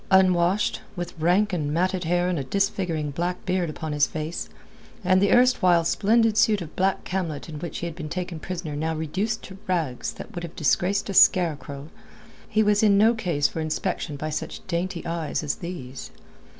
Unwashed, with rank and matted hair and a disfiguring black beard upon his face, and the erstwhile splendid suit of black camlet in which he had been taken prisoner now reduced to rags that would have disgraced a scarecrow, he was in no case for inspection by such dainty eyes as these.